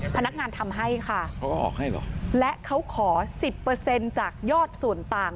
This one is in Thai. พนักงานทำให้ค่ะเขาก็ออกให้เหรอและเขาขอสิบเปอร์เซ็นต์จากยอดส่วนต่าง